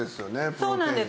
そうなんです。